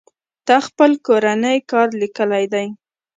تا خپل کورنۍ کار ليکلى دئ.